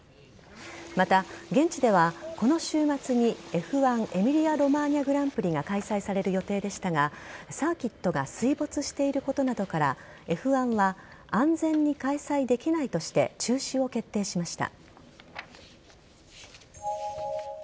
また、現地ではこの週末にＦ１エミリアロマーニャ・グランプリが開催される予定でしたがサーキットが水没していることなどからＦ１は安全に開催できないとして中止を決定しました。